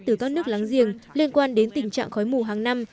từ các nước láng giềng liên quan đến tình trạng khói mù hàng năm